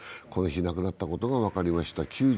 この日、亡くなったことが分かりました。